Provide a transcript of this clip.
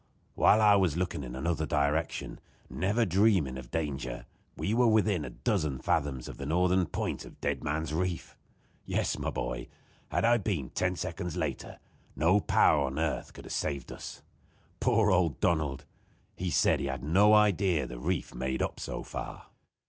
While I was looking in another direction, never dreaming of danger, we were within a dozen fathoms of the northern point of Dead Man's Reef! Yes, my boy, had I been ten seconds later no power on earth could have saved us. Poor old Donald! He said he had no idea the reef made up so far.